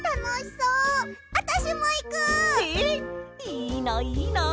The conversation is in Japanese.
いいないいな。